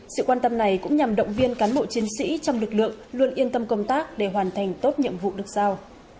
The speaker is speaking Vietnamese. sự quan tâm này cũng nhằm động viên cán bộ chiến sĩ trong lực lượng luôn yên tâm công tác để hoàn thành tốt nhiệm vụ được giao